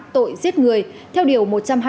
tội giết người theo điều một trăm hai mươi